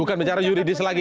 bukan bicara yuridis lagi